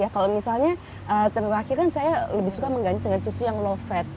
kalau misalnya terakhir kan saya lebih suka mengganti dengan susu yang low fat